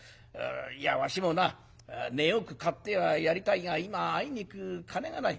いやわしもな値よく買ってはやりたいが今あいにく金がない。